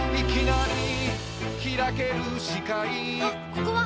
ここは！